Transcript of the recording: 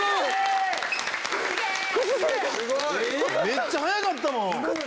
めっちゃ速かったもん。